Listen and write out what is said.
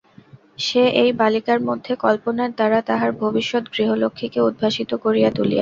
সে এই বালিকার মধ্যে কল্পনার দ্বারা তাহার ভবিষ্যৎ গৃহলক্ষ্মীকে উদ্ভাসিত করিয়া তুলিয়াছে।